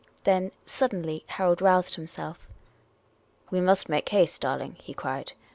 Then, suddenly, Harold roused himself. " We must make haste, darling," he cried.